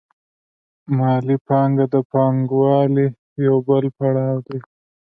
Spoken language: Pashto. مالي پانګه د پانګوالۍ یو بل پړاو دی